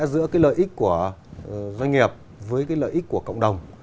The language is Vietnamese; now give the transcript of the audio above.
giữa lợi ích của doanh nghiệp với lợi ích của cộng đồng